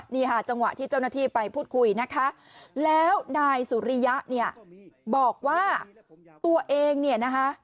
นี่ค่ะจังหวะที่เจ้าหน้าที่ไปพูดคุยนะคะแล้วนายสุริยะเนี่ยบอกว่าตัวเองเนี่ยนะคะ